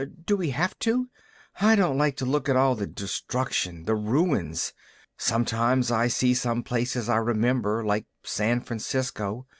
Do we have to? I don't like to look at all the destruction, the ruins. Sometimes I see some place I remember, like San Francisco.